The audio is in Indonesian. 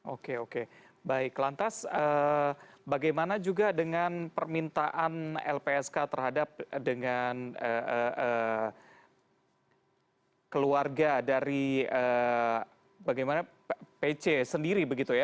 oke oke baik lantas bagaimana juga dengan permintaan lpsk terhadap dengan keluarga dari bagaimana pc sendiri begitu ya